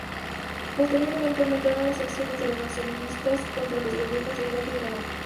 Posteriormente aumentaron las acciones de los nacionalistas contra los gobiernos de Irak e Irán.